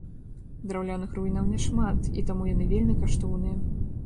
Драўляных руінаў няшмат, і таму яны вельмі каштоўныя.